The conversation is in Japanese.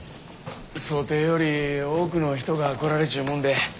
想定より多くの人が来られちゅうもんで。